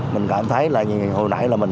mình cảm thấy là hồi nãy là mình